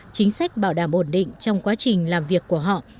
chính sách bảo đảm ổn định trong quá trình làm việc của họ